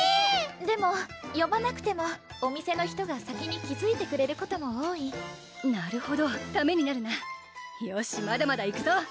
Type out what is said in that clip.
でもよばなくてもお店の人が先に気づいてくれることも多いなるほどためになるなよしまだまだいくぞ